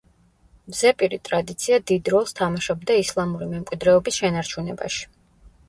ზეპირი ტრადიცია დიდ როლს თამაშობდა ისლამური მემკვიდრეობის შენარჩუნებაში.